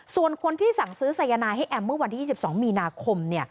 ส่วนคนที่สั่งซื้อสายนายให้แอมเมื่อวันที่๒๒มีนาคม